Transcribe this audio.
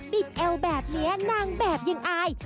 บิดเอวแบบนี้นางแบบยังอาย